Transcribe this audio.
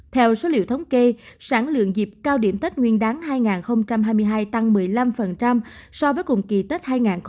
theo số liệu thống kê sản lượng dịp cao điểm tết nguyên đáng hai nghìn hai mươi hai tăng một mươi năm so với cùng kỳ tết hai nghìn hai mươi ba